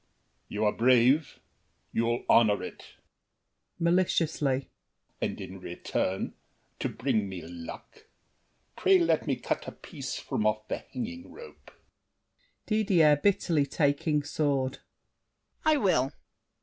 You are brave! You'll honor it! [Maliciously.] And in return, to bring me luck, pray let Me cut a piece from off the hanging rope! DIDIER (bitterly, taking sword). I will.